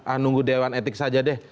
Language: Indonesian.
ah nunggu dewan etik saja deh